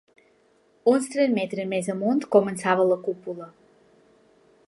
Uns tres metres més amunt començava la cúpula.